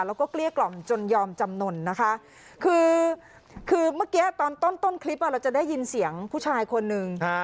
แล้วก็เกลี้ยกล่อมจนยอมจำนวนนะคะคือคือเมื่อกี้ตอนต้นคลิปเราจะได้ยินเสียงผู้ชายคนหนึ่ง